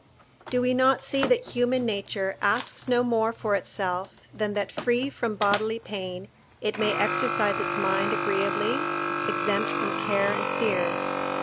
["Do we not see that human nature asks no more for itself than that, free from bodily pain, it may exercise its mind agreeably, exempt from care and fear."